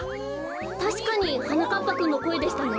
たしかにはなかっぱくんのこえでしたね。